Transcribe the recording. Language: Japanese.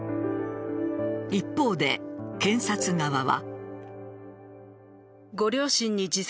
一方で検察側は。